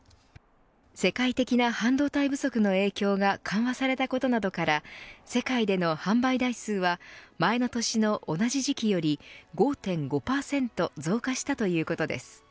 世界的な半導体不足の影響が緩和されたことなどから世界での販売台数は前の年の同じ時期より５．５％増加したということです。